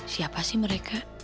siapa sih mereka